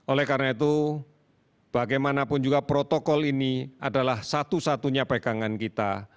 oleh karena itu bagaimanapun juga protokol ini adalah satu satunya pegangan kita